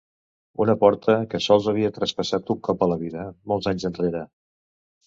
Una porta que sols havia traspassat un cop a la vida, molts anys enrere.